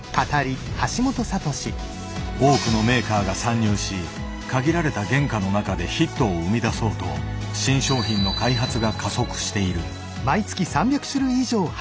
多くのメーカーが参入し限られた原価の中でヒットを生み出そうと新商品の開発が加速している。